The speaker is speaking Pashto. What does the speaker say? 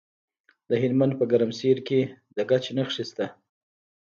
د هلمند په ګرمسیر کې د ګچ نښې شته.